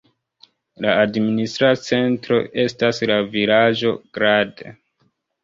La administra centro estas la vilaĝo Grad.